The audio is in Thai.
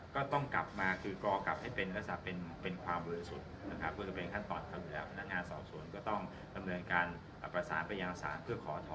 ก็ต้องกลับมาก็จะเรียบร้อยสุด